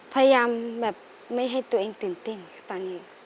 พยายามแบบไม่ให้ตัวเองตื่นเต้นค่ะตอนนี้